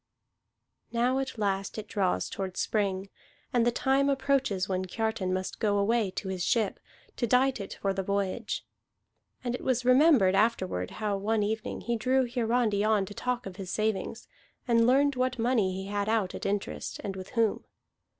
Now at last it draws toward spring, and the time approaches when Kiartan must go away to his ship, to dight it for the voyage. And it was remembered afterward how one evening he drew Hiarandi on to talk of his savings, and learned what money he had out at interest, and with whom.